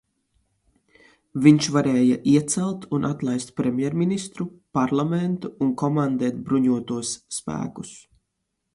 Viņš varēja iecelt un atlaist premjerministru, parlamentu un komandēt bruņotos spēkus.